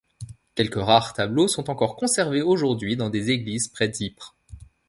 Quelques rares tableaux sont encore conservés aujourd'hui dans des églises près d'Ypres.